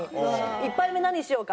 「１杯目何にしようか？」